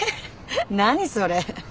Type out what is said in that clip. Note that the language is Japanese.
何それ。